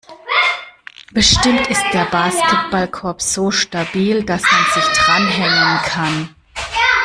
Bestimmt ist der Basketballkorb so stabil, dass man sich dranhängen kann.